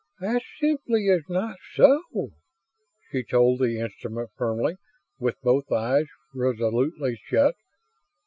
"That simply is not so," she told the instrument firmly, with both eyes resolutely shut.